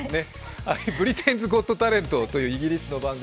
「ブリテンズ・ゴット・タレント」というイギリスの番組。